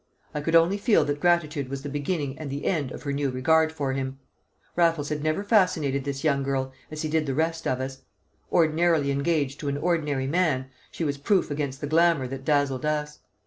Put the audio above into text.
I could only feel that gratitude was the beginning and the end of her new regard for him. Raffles had never fascinated this young girl as he did the rest of us; ordinarily engaged to an ordinary man, she was proof against the glamour that dazzled us.